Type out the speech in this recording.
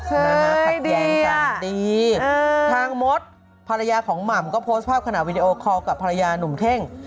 เฮ้ยดีอ่ะดีทางมดภรรยาของหม่ำก็พอสภาพขณะวิดีโอคอลกับภรรยานุ่มเท่ง